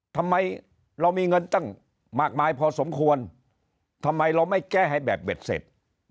ทำไมเรามีเงินตั้งมากมายพอสมควรทำไมเราไม่แก้ให้แบบเบ็ดเสร็จ